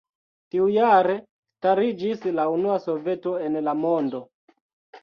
Tiujare stariĝis la unua soveto en la mondo.